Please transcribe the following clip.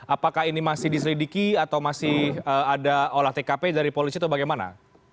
apakah ini masih diselidiki atau masih ada olah tkp dari polisi atau bagaimana